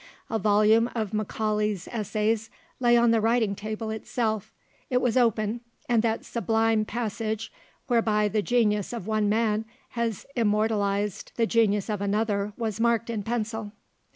A volume of Macaulay's Essays lay on the writing table itself; it was open, and that sublime passage whereby the genius of one man has immortalised the genius of another was marked in pencil.